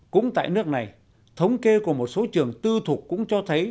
cũng tại nước này thống kê của một số trường tư thục cũng cho thấy